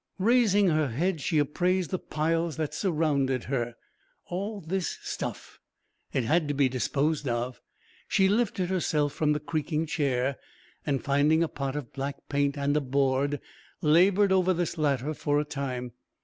Raising her head she appraised the piles that surrounded her. "All this stuff!" It had to be disposed of. She lifted herself from the creaking chair and, finding a pot of black paint and a board, laboured over this latter for a time.